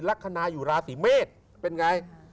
ลักษณะอยู่ราศีเมษเป็นไง